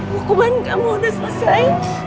hukuman kamu sudah selesai